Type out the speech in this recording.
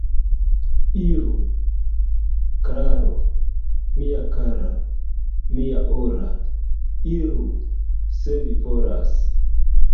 Iru, Klaro, mia kara, mia ora, iru, se vi volas.